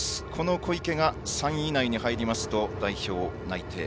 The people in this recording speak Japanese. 小池が３位以内に入りますと代表内定。